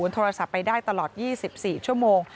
โทรศัพท์ไปได้ตลอด๒๔ชั่วโมง